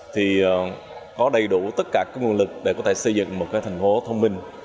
thì có đầy đủ tất cả nguồn lực để có thể xây dựng một thành phố thông minh